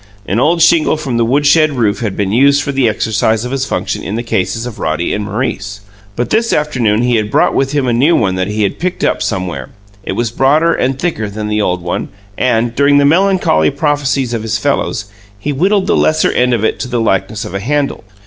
An old shingle from the woodshed roof had been used for the exercise of his function in the cases of Roddy and Maurice; but this afternoon he had brought with him a new one that he had picked up somewhere. It was broader and thicker than the old one and, during the melancholy prophecies of his fellows, he whittled the lesser end of it to the likeness of a handle.